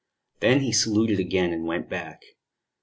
Then he saluted again and went back.